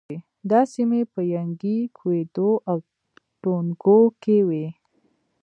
دا سیمې په ینګی، کویدو او ټونګو کې وې.